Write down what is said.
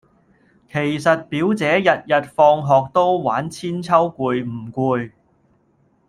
其實表姐日日放學都玩韆鞦攰唔攰